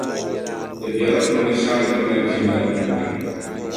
Di bela kundi shɛŋa din mali jilma la puuni.